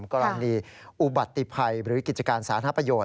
กรณีอุบัติภัยหรือกิจการสาธารณประโยชน